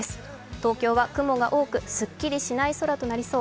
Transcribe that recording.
東京は雲が多くすっきりしない空となりそう。